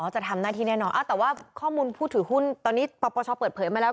จะทำหน้าที่แน่นอนแต่ว่าข้อมูลผู้ถือหุ้นตอนนี้ปปชเปิดเผยมาแล้ว